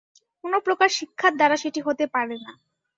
কোন প্রকার শিক্ষার দ্বারা সেটি হতে পারে না।